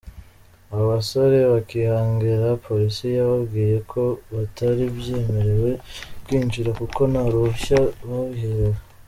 Aba basore bakihagera, Polisi yababwiye ko batari bwemererwe kwinjira kuko nta ruhushya babiherewe.